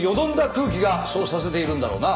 空気がそうさせているんだろうな。